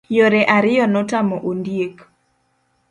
Yore ariyo notamo ondiek.